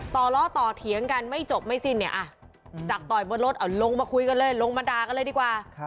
ล้อต่อเถียงกันไม่จบไม่สิ้นเนี่ยจากต่อยบนรถเอาลงมาคุยกันเลยลงมาด่ากันเลยดีกว่า